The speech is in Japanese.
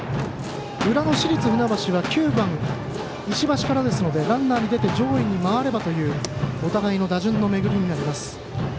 裏の市立船橋は、９番石橋からですのでランナーに出て上位に回ればというお互いの打順の巡り。